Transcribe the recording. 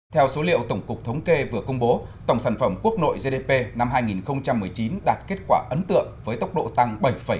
theo số liệu tổng cục thống kê vừa công bố tổng sản phẩm quốc nội gdp năm hai nghìn một mươi chín đạt kết quả ấn tượng với tốc độ tăng bảy bảy